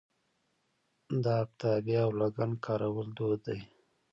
د افتابه او لګن کارول دود دی.